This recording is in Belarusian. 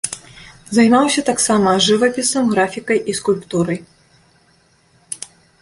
Займаўся таксама жывапісам, графікай і скульптурай.